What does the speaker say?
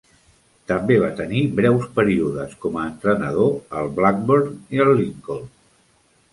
També va tenir breus períodes com a entrenador al Blackburn i al Lincoln.